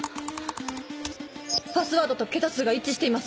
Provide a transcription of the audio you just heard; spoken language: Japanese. パスワードと桁数が一致しています！